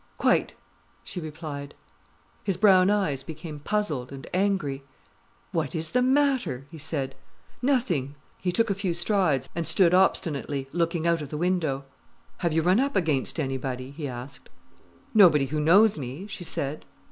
"Quite," she replied. His brown eyes became puzzled and angry. "What is the matter?" he said. "Nothing." He took a few strides, and stood obstinately, looking out of the window. "Have you run up against anybody?" he asked. "Nobody who knows me," she said.